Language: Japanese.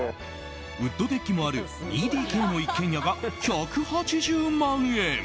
ウッドデッキもある２ＤＫの一軒家が１８０万円。